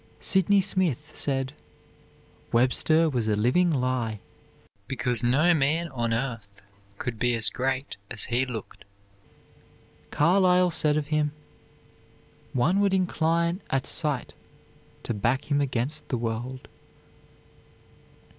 Sydney Smith said: "Webster was a living lie, because no man on earth could be as great as he looked." Carlyle said of him: "One would incline at sight to back him against the world."